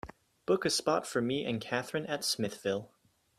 Book a spot for me and kathrine at Smithville